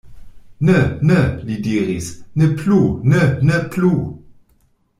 Ne, ne, li diris, Ne plu, ne, ne plu.